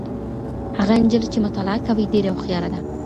هغه نجلۍ چي مطالعه کوي ډېره هوښياره ده.